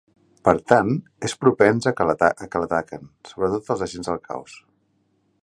Per tant, és propens a què l'ataquen, sobretot els agents del Caos.